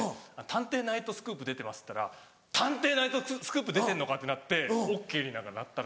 「『探偵！ナイトスクープ』出てます」って言ったら「『探偵！ナイトスクープ』出ててんのか⁉」ってなってＯＫになった。